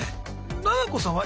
ななこさんは？